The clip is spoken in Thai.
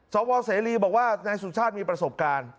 สวเสรีบอกว่านายสุชาติมีประสบการณ์